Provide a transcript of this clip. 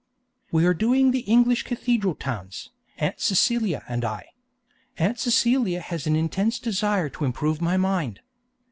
We are doing the English cathedral towns, Aunt Celia and I. Aunt Celia has an intense desire to improve my mind.